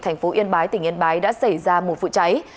thành phố yên bái tỉnh yên bái đã xảy ra một vụ cháy